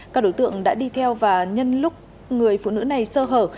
các đối tượng đã đi theo và nhân lúc người phụ nữ này sơ hở